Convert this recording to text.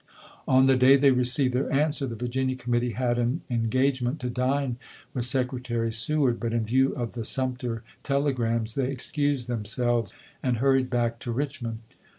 On the day they received their answer, the Virginia committee had an en gagement to dine with Secretary Seward; but in view of the Sumter telegrams, they excused them selves and hurried back to Richmond.